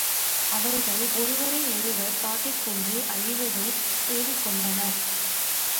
அவர்கள் ஒருவரை ஒருவர் தாக்கிக்கொண்டு அழிவைத் தேடிக் கொண்டனர்.